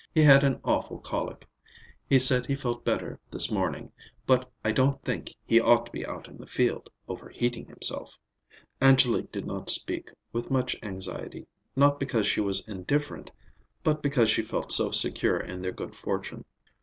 He had an awful colic. He said he felt better this morning, but I don't think he ought to be out in the field, overheating himself." Angélique did not speak with much anxiety, not because she was indifferent, but because she felt so secure in their good fortune.